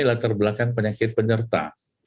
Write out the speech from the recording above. dia terbelakang penyakit penyerta